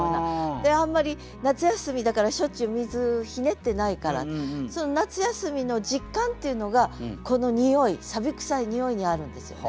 あんまり夏休みだからしょっちゅう水ひねってないから夏休みの実感っていうのがこのにおいくさいにおいにあるんですよね。